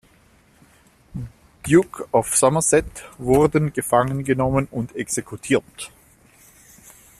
Duke of Somerset, wurden gefangen genommen und exekutiert.